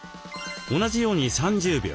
同じように３０秒。